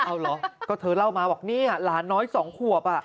จะเล่าต่อดีมั้ยอ่ะ